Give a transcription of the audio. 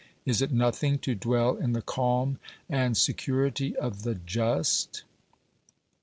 Is it nothing to dwell in the calm and security of the just ?